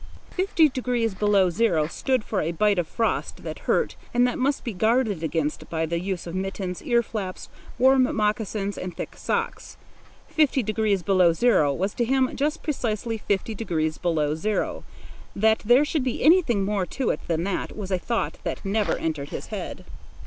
Fifty degrees below zero stood for a bite of frost that hurt and that must be guarded against by the use of mittens, ear flaps, warm moccasins, and thick socks. Fifty degrees below zero was to him just precisely fifty degrees below zero. That there should be anything more to it than that was a thought that never entered his head.